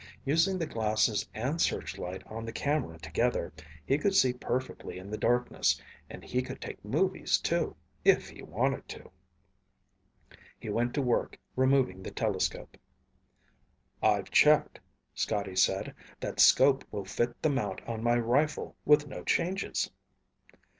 Using the glasses and searchlight on the camera together, he could see perfectly in the darkness, and he could take movies, too, if he wanted to. He went to work removing the telescope. "I've checked," Scotty said. "That 'scope will fit the mount on my rifle with no changes."